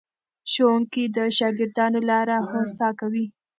ښوونکي د شاګردانو لاره هوسا کوي.